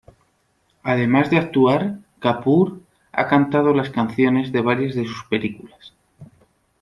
Además de actuar, Kapoor ha cantado las canciones de varias de sus películas.